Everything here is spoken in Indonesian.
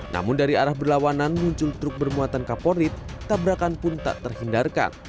namun dari arah berlawanan muncul truk bermuatan kaporit tabrakan pun tak terhindarkan